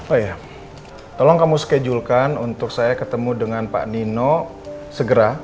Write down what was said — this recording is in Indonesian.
oh iya tolong kamu schedule kan untuk saya ketemu dengan pak nino segera